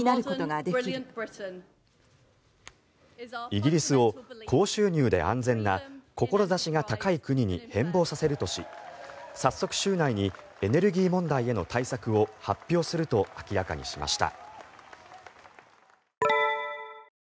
イギリスを高収入で安全な志が高い国に変ぼうさせるとし早速、週内にエネルギー問題への対策を発表すると明らかにしました。